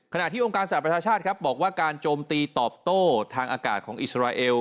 ที่องค์การสหประชาชาติครับบอกว่าการโจมตีตอบโต้ทางอากาศของอิสราเอล